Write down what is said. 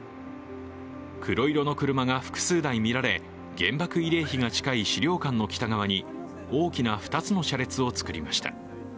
黒色の車が複数台見られ、原爆慰霊碑が近い資料館の北側に大きな２つの車列を作りました。